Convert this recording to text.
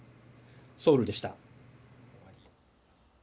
ソウルでした。